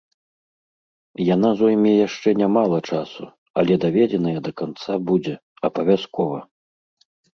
Яна зойме яшчэ нямала часу, але даведзеная да канца будзе, абавязкова.